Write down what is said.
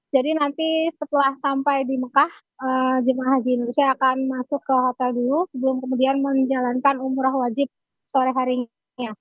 jadi nanti setelah sampai di mekah jemaah haji indonesia akan masuk ke hotel dulu sebelum kemudian menjalankan umrah wajib sore harinya